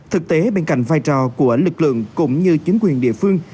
thực tế bên cạnh vai trò của lực lượng cũng như chính quyền địa phương